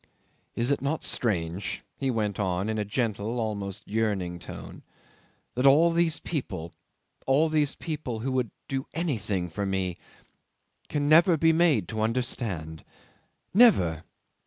"Is it not strange," he went on in a gentle, almost yearning tone, "that all these people, all these people who would do anything for me, can never be made to understand? Never!